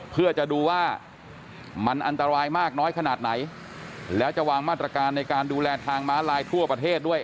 เพื่อจะดูว่ามันอันตรายมากน้อยขนาดไหนแล้วจะวางมาตรการในการดูแลทางม้าลายทั่วประเทศด้วย